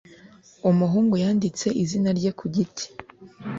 Umuhungu yanditse izina rye ku giti.